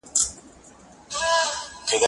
زه مخکي پوښتنه کړې وه؟